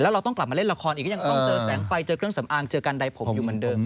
เราต้องกลับมาเล่นละครอีกก็ยังต้องเจอแสงไฟเจอเครื่องสำอางเจอกันใดผมอยู่เหมือนเดิม